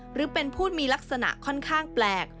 หรือเป็นผู้มีลักษณะค่อนข้างแปลก